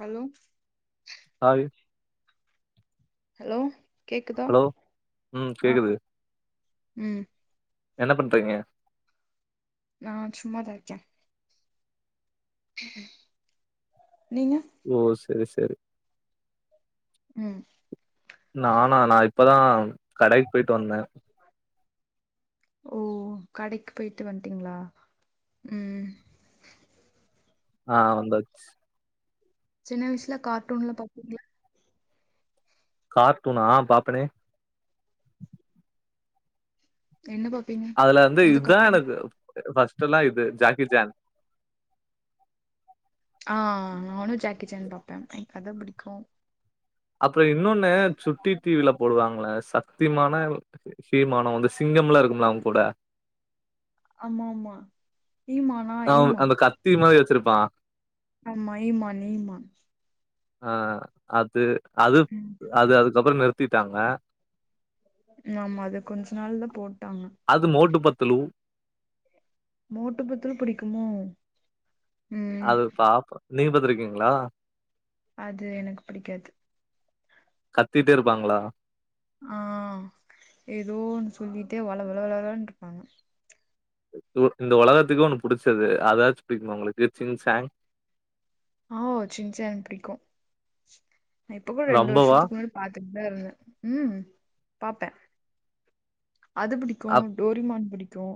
Hello hi hello கேக்குதா hello ம் ஆ கேக்குது ம் என்ன பண்றீங்க நா சும்மாதா இருக்கே நீங்க ஓ செரி செரி ம் நானா நா இப்பதா கடைக்கு போயிட்டு வந்தே ஓ கடைக்கு போயிட்டு வன்ட்டீங்களா ம் ஆ வந்தாச்சு சின்ன வயசுல கார்டூன்ல்லா பாப்பீங்களா கார்டூனா ஆ பாப்பனே என்ன பாப்பீங்க அதுல வந்து எந்த இத்தா கார்ட்டூன் எனக்கு ஃபஸ்ட்டு எல்லா இது ஜாக்கி ஜான் ஆ நானு ஜாக்கி ஜான் பாப்பே எனக்கு அதா புடிக்கு அப்றோ இன்னொன்னு சுட்டி டி வி ல போடுவாங்களே ச சக்திமானோ எதோ ஹீமானோ வந்து சிங்கம்லா இருக்கும்ல அவங்கூட ஆமா ஆமா ஹீமான் அவ அந்த கத்தி மாரி வெச்சுருப்பா ஆமா ஈமான் ஈமான் ஆ அது அது ம் அது அதுக்கப்றோ நிறுத்திட்டாங்க ஆமா அது கொஞ்ச நாள் தா போட்டாங்க அது மோட்டு பத்துலு மோட்டு பத்துலு புடிக்குமோ ம் அது பாப்பே நீங்க பாத்திருக்கிங்களா அது எனக்கு பிடிக்காது கத்திட்டே இருப்பாங்களா ஆ ஏதோ ஒன்னு சொல்லிட்டே வளவள வளலான்ட்டு இருப்பாங்க இந்த உலகத்துக்கு ஒண்ணு புடிச்சது அததாச்சு பிடிக்குமா உங்ளுக்கு சிங் சாங் ஓ சின் சான் புடிக்கு நா இப்ப கூட ரெண்டு ரொம்பவா வருஷத்துக்கு முன்னாடி பாத்துட்டு தா இருந்தே ம் பாப்பே அது புடிக்கு அப் டோரிமான் புடிக்கு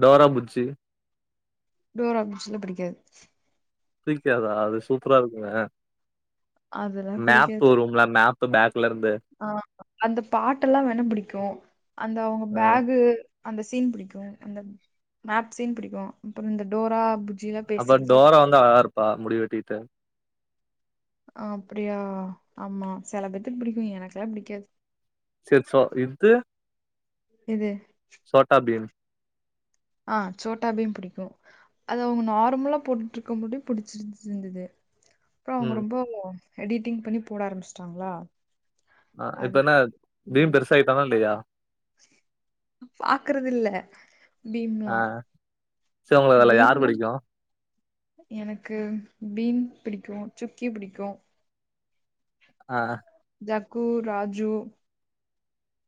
டோரா புஜ்ஜி டோரா புஜ்ஜில்லா புடிக்காது புடிக்காதா அது சூப்பரா இருக்குங்க அதெல்லாம் மேப்பு பிடிக்காது வரும்ல மேப்பு பேக்ல இருந்து ஆ அந்த பாட்டெல்லா வேணா புடிக்கு அந்த அவங்க அ பேகு அந்த சீன் பிடிக்கு அந்த மேப் சீன் பிடிக்கு அப்றோ இந்த டோரா புஜ்ஜில அப்றோ டோரா வந்து அழகா இருப்பா முடி வெட்டிட்டு ஆ அப்படியா ஆமா செல பேத்துக்கு பிடிக்கு எனக்கெல்லா பிடிக்காது சேர் சோ இது இது சோட்டாபீம் ஆ சோட்டா பீம் புடிக்கு அது அவுங்க நார்மலா போட்டுருக்க போதே பிடிச்சிருச்ருந்தது அப்றோ அவுங்க ம் ரொம்போ எடிட்டிங் பண்ணி போட ஆரம்பிச்சுட்டாங்ளா ஆ இப்ப என்ன பீம் பெருசாகிட்டானா இல்லையா பாக்குறது இல்லை பீம்லா ச உங்கள அதுல யாரு பிடிக்கு எனக்கு பீம் பிடிக்கு ஜிம்கி பிடிக்கு ஆ ஜக்கூ ராஜு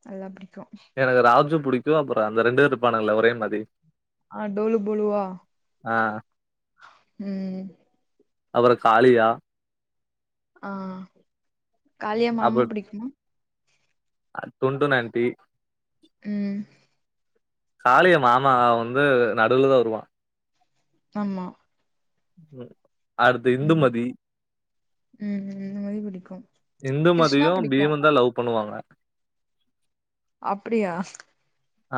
நல்லா பிடிக்கு எனக்கு ராஜு பிடிக்கு அப்றோ அந்த ரெண்டு பேர் இருப்பானுங்களல ஒரே மதி ஆ டோலு போழுவா ஆ ம் அப்றோ காளியா ஆ காளியா மாமா பிடிக்குமா அ டுண்டு நென்டி ம் காலிய மாமா வந்து நடுவுல தா வருவா ஆம்மா ம் அடுத்து ம் இந்துமதி ம் ம், இந்த மாதிரி பிடிக்கும் இந்து கிருஷ்ணா மதியு பிடிக்கும் பீமு தா லவ் பண்ணுவாங்க அப்டியா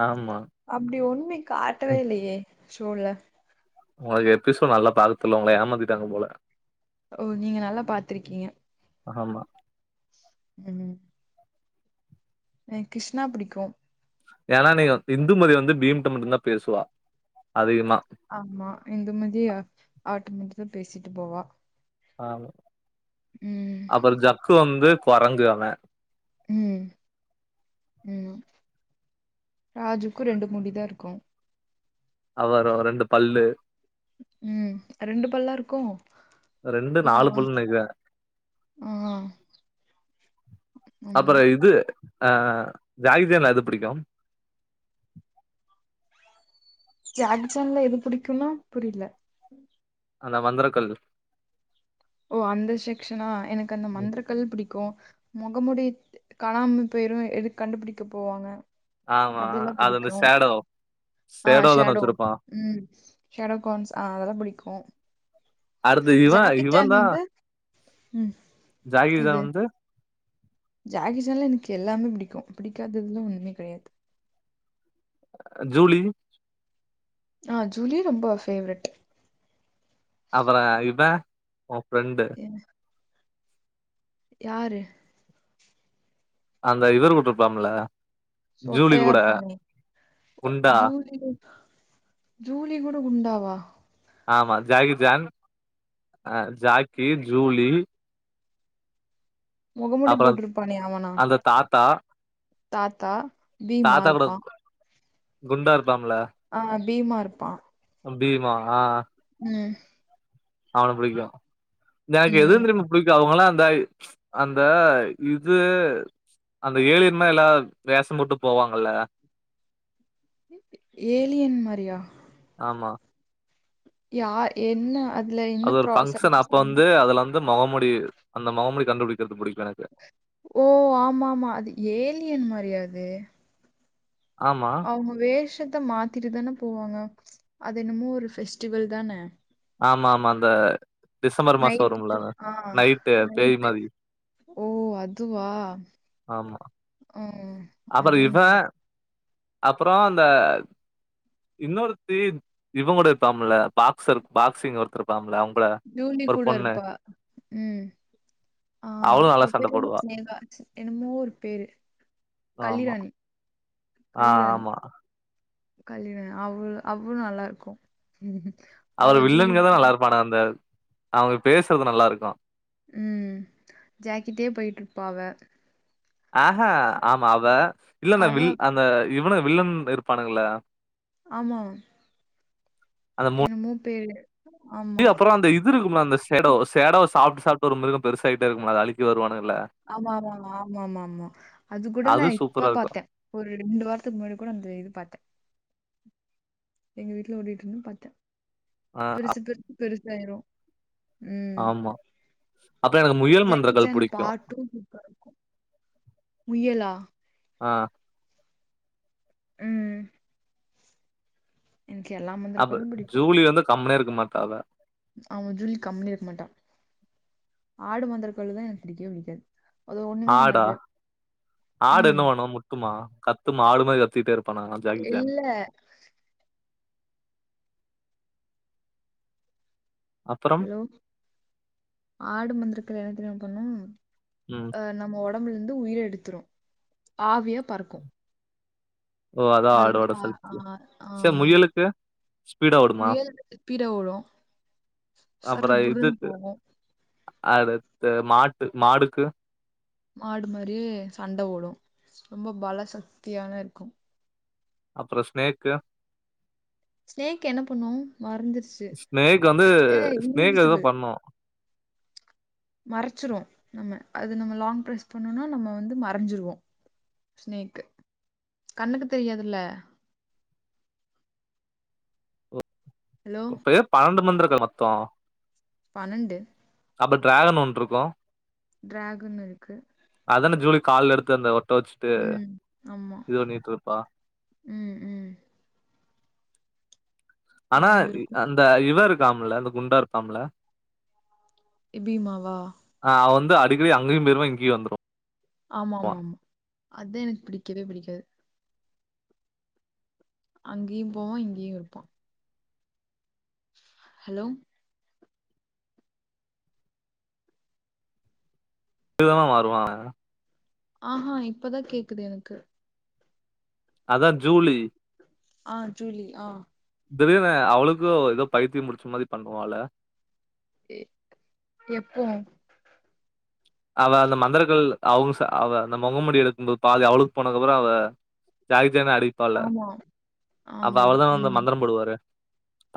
ஆமா அப்டி ஒண்மே காட்டவே இல்லையே சோவ்ல உங்களுக்கு எப்பிசோடு நல்லா பாக்க தெரியல உங்கள ஏமாதிட்டாங்க போல ஓ நீங்க நல்லா பாத்திருக்கீங்க ஆமா ம் ஏ கிருஷ்ணா பிடிக்கு ஏனா நீங்க இந்துமதி வந்து பீம்ட்ட மட்டு தா பேசுவா அதிகமா ஆமா இந்துமதி அவுற்ட்ட மட்டு தா பேசிட்டு போவா ஆமா ம் அப்றோ ஜக்கு வந்து குரங்கு அவன் ம் ம் ராஜுக்கு ரெண்டு முடிதா இருக்கு அவரு ரெண்டு பல்லு ம் ரெண்டு பல்லா இருக்கு ரெண்டு நாலு பல்லுனு நெனைக்குறே ஆ அப்றோ ஆமா இது ஆ ஜாகிஜான்ல அது பிடிக்கு ஜாக்ஜான்ல எது புடிக்குனா புரில அந்த மந்தரக்கல் ஓ அந்த செக்ஷனா எனக்கு அந்த ம். மந்தர கல் பிடிக்கு முகமுடி த் கலாம் பேரு எதுக் கண்டுபிடிக்க போவாங்க ஆமா. அதுல்லா அது அந்த பிடிக்கு ஷேடோ. ஆ தான ஷேடோ வச்சிருப்பான். ம் ஷேடோ கோன்ஸ் ஆ அதெல்லா பிடிக்கு அடுத்து இவ இவந்தா வந்து ம் ஜாகி ஜான் வந்து ஜாக்கிஜான்ல எனக்கு எல்லாமே பிடிக்கு பிடிக்காததுனு ஒண்ணமே கெடையாது ஜூலி ஆ ஜூலி ரொம்ப பேஃபேவ்ரெட் அப்றோ இவ ஓ ஃப்ரெண்டு் [unintelligible] யாரு அந்த இவுரு கூட்ருப்பாம்ல சொட்டயா இருப்பானே குண்டா. ஜூலியு ஜூலி கூட உண்டாவா ஆமா ஜாக்கி ஜான் அ ஜாக்கி ஜூலி மொகமுடி அப்புறம் போட்டுருப்பானே அவனா அந்த தாத்தா தாத்தா பீமா தாத்தா கூட இருப்பான் குண்டா இருப்பாம்ல அ பீமா இருப்பா பீமா அ ம் அவன புடிக்கு எனக்கு எது ம் தெரிமா முடிக்கு அவங்களா அந்த அந்த இது அந்த ஏழியன்ட் மாரி எல்லா வேஷோ போட்டு போவாங்கல ஏலியன் மாரியா ஆமா யா என்ன அதுல என்ன ப்ரோ சம் ச மொகமுடி அந்த மொகமுடி கண்டுபிடிக்கிறது பிடிக்கு எனக்கு ஓ ஆமா ஆமா அது ஏலியன் மாரியாது ஆமா அவுங்க வேசத்த மாத்திட்டு தானே போவாங்க அது என்னமோ ஒரு பெஸ்டிவல் தான ஆமா ஆமா அந்த டிசம்பர் மாசோ வரும்ல நைட்டு ஆ நைட்டு பேய் நைட்டு மாதிரி ஓ அதுவா ம் அப்றோ இவ அதுவும் நல்லா அப்றோ இந்த இன்னொருத்தி இவங்க கூட இருப்பாம்ல பாக்ஸர் பாக்சிங் ஒருத்த இருப்பாம்ல அவங்க ஜூனி கூட இருப்பா ம் ஆ அவளு நல்லா அவ சண்ட பேரு வந்து போடுவா [unintelligible] என்னமோ ஒரு பேரு ஆமா கள்ளிராணி ஆ கள்ளிராணி ஆமா கள்ளிரானி அவ அவ்ளு நல்லா இருக்கு அவள்ளு வில்லனுங்தா நல்லா இருப்பானுங்க அந்த அவுங்க பேசுறது நல்லா இருக்கு ம் ஜாக்கெட்டே பொயிட்ருப்பா அவ ஆஹ ஆமா அவ இல்லன்ன அவ வி அந்த இவனுங்க வில்லன் இருப்பானுங்கள ஆமா என்னமோ பேரு இது ஆமா. அப்றோ அந்த இது இருக்கும்ல அந்த சேடோ சேடோவ சாப்ட்டு சாப்பிட்டு ஒரு மிருகோ பெருசாய்ட்டே இருக்கும்ல அந்த அழிக்க வருவானுங்கல்ல ஆமா ஆமா ஆமா ஆமா ஆமா அது கூட நா இப்ப சூப்பரா இருக்கு பாத்தே ஒரு ரெண்டு வாரத்துக்கு முன்னாடி கூட அந்த இது பாத்தே எங்க வீட்ல ஓடிட்டு இருந்துது பாத்தே ஆ பெருசு அப் பெருசு பெருசாயிரு ம் ஆமா அப்புறோ எனக்கு முயல் ஜாக்கி மந்திரகாள் சான் புடிக்கு பார்ட் டூ முயலா அ ம் என்கு எல்லா முந்திரிக்கள்ளும் பிடிக்கு கம்னே இருக்க மாட்டா அவெ அவஞ் ஜூலி கம்னே இருக்க மாட்டா ஆடு மாந்தரக்கள்ளுதா எனக் பிடிக்கவே பிடிக்காது அது ஒண்ணுமே ஆடா பண்ணாது ஆடு ம் என்ன வேணும் முட் க்குமா கத்துமா ஆடு மாதிரி கத்திட்டே இருப்பானா ஜாக்கி ஜான் ட அப்பறம் ஹெலோ ஆடு மந்திரக்கல எனத் தெரியுமா பண்ணு ம் அ நம்ம ஒடம்புலரந்து உயிர எடுத்துரு ஆவியாப் பறக்கு ஓ அதா அதுதா ஆடோட ஆ சக்தி சரி ஆமா முயலுக்கு ஸ்பீடா ஓடுமா முயல் பீட ஓடு சர்ரு புர்ருனுப் போவோம் அடுத்த மாட்டு மாடுக்கு மாடு மாரியே சண்ட ஓடு ரொம்ப பல சக்தியான இருக்கு அப்றோ ஸ்னேக்கு ஸ்னேக் என்ன பண்ணும் மறைஞ்சிருச்சு ஸ்னேக்கு வந்து ஏ ஸ்னேக் இன்விசிபிள் எதோப் பண்ணு மறச்சிரு நம்ம அது நம்ம லாங் பிரஸ் பண்ணுனா நம்ம வந்து மறஞ்சிருவோ ஸ்னேக்கு கண்ணுக்கு தெரியாதுல ஓப் ஹலோ இப்ப ஏப் பனனெண்டு மந்தரக்க மொத்தோ பனனெண்டு அப்ப ட்ராகன் ஒன்றுக்கு டிராகனுருக்கு அதான ஜூலி கால்ல எடுத்து அந்த ஒட்ட வெச்சுட்டு ம் ஆமா இது வண்ணிட்ருப்பா ம் ம் ஆனா பன்னெண்டு இருக்கு அந்த இவெ இருக்காமுல்ல இந்த குண்டா இருக்காமுல இபீமாவா ஆ அவெ வந்து அடிக்கடி அங்கியும் போயிருவா இங்கியு வந்துரு ஆமா மா ம் அத்தா எனக் பிடிக்கவே பிடிக்காது அங்கியும் போவா இங்கியு இருப்பா ஹெலோ இதுதானா மாறுவா அவெ ஆஹா இப்பதா கேக்குது எனக்கு அதா ஜூலி ஆ ஜூலி ஆ திடீனு அவளுக்கு எதோப் பைத்தியம் புடிச்ச மாதிரிப் பண்ணுவால எ எப்போ அவெ அந்த மந்திரக்கள் அவுங்கச அவெ அந்த மொகமுடி எடுக்கும்போது பாதி அவுளுக் போனதுகபுறோ அவெ ஜாகிஜான அடிப்பால ஆமா அப்ப அவளதா வந்து மந்தரம் போடுவாறே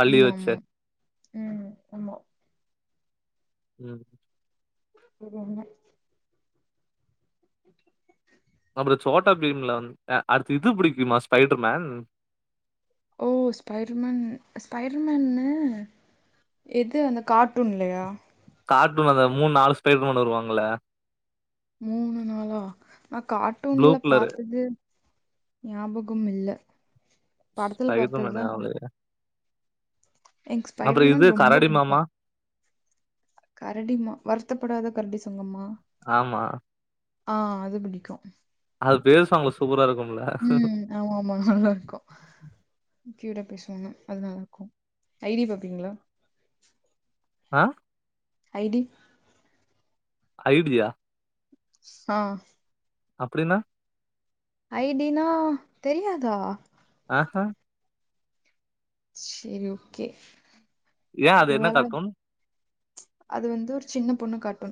அம்மா அம்மா ம் அம்மா ம் செரி என்ன அப்றோ சோட்டா பீம்ல வந் அ அடுத்து இதுப் புடிக்குமா ஸ்பைட்ருமேன் ஓ ஸ்பைட்ருமென் ஸ்பைட்ருமென்னு எது அந்த கார்ட்டூன்லையா கார்டூன்ல அந்த மூன் நாலு ஸ்பைடர்மேன் வருவாங்கல்ல மூனு நாளா நாக் ப்ளூ கார்ட்டூன்லப் கலரு பாத்ததே ஞாபகமில்ல படத்துல ஸ்பைடர் மேன் பாத்ததுதா அவரு. அப்புறம் இது எக்ஸ்பைரமெண்ட் ரொம்ப கரடி பிடிக்கு மாமா. கரடிமா வருத்தப்படாத கரடி சங்கமா ஆமா ஆ அது பிடிக்கு அது பேசுவாங்க சூப்பரா இருக்கும்ல ம் ஆமா ஆமா நல்லா இருக்கு க்யூட்டா பேசுவாங்க அது நல்லா இருக்கு ஐடி பாப்பீங்களா ஆ ஐடி ஆயுட்ரியா ஆ அப்டின்னா ஐடினா தெரியாதா ஆ ஹா செரி ஓகே ஏன் அது ஒரு என்ன வேல கார்ட்டூன்? ச் அது வந்து ஒரு சின்ன பொண்ணு காட்டு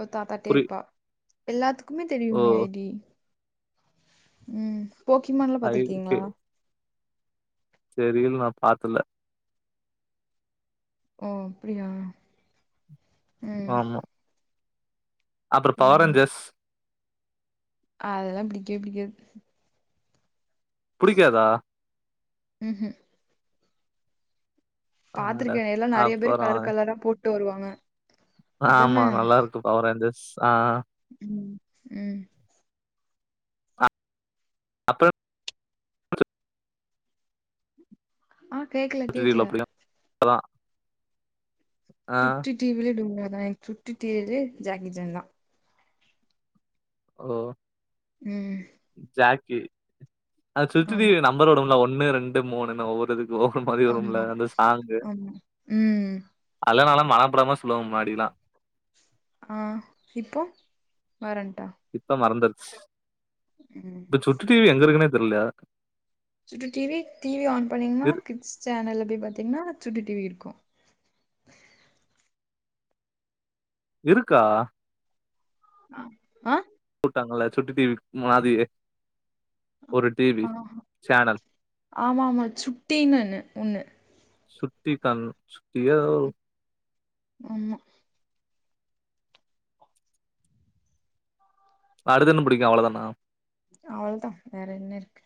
ஒரு தாத்தாட்டே புரி இருப்பா எல்லாத்துக்குமே ஓ! தெரியுமே ஐ டி ம் போக்கிமேன்லா ஐடி பாத்திருக்கீங்களா தெரியல நா பாத்துல ஓ அப்டியா ம் அப்றோ பவர் ரேஞ்சர்ஸ் அதெல்லா பிடிக்கவே பிடிக்காது புடிக்காதா ம் ம் அட பாத்திருக்கே எல்லா நெறைய பேர் அப்புறம் கலர் கலரா போட்டு வருவாங்க அதான ஆமா நல்லா இருக்கு பவர் ரேஞ்சர்ஸ் ஆ ம் ம் அப்பறம் ஆ கேக்கல கேக்கல [unintelligible] அதா சுட்டி டிவிலேய டுங்க தா எனக்கு சுட்டி டிவிலயே ஜாக்கி சான் தா ஓ ம் ஜாக்கி அது சுட்டி ஆமா டிவி நம்பர் வருல ஒன்னு ரெண்டு மூணுன்னு ஒவ்வொருதுக் ஓபன் மாரி வரும்ல ஆமா அந்த சாங்கு ஆமா ம் அதெல்லா நல்லா மனப்பாடமா சொல்லுவே முன்னாடிலா ஆ இப்போ வரண்ட்டா இப்ப மறந்துடுச்சு ம் இப்ப சுட்டி டிவி எங்க இருக்குனே தெர்ல சுட்டி டிவி டிவி ஆன் பண்ணீங்கன்னா இரு கிட்ஸ் சேனல் போய் பாத்தீங்கன்னா சுட்டி டிவி இருக்கு இருக்கா ஆ கூட்டாங்கல்ல சுட்டி டிவி மாதிரியே ஒரு டிவி ஆ சேனல். ஆமா ஆமா சுட்டினு ஒண்ணு சுட்டி ஒன்னு சுட்டிய்யா [unintelligible] ஆமா வருதுன்னு புடிக்கும் அவ்ளோதானா அவ்ளோதா வேற என்ன இருக்கு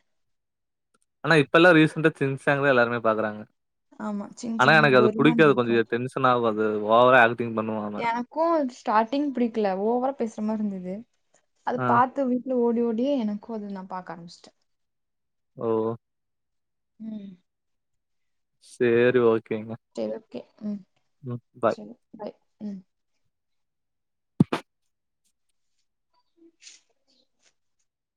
ஆனா இப்பல்லாம் ரீசண்டா சின்சாங்லாம் எல்லாருமே பாக்குறாங்க ஆமா ஆனா சின்சேன் எனக்கு அது டோரிமான் பிடிக்காது புடிக்கு கொஞ்சம் டென்ஸ் ஒண்ணு ஆவாது ஓவரா திங்க் பண்ணுவாங்க எனக்கும் ஸ்டார்ட்டிங் பிடிக்கல ஓவரா பேசுற மாரி இருந்தது அது ஆ. பாத்து இல் ஓடி ஓடியே எனக்கும் அது நான் பாக்க ஆரம்பிச்சிட்டேன் ஓ ம் சேரி ஓகேங்க சேரி ஓகே ம் ம். பாய். செரி பாய் ம்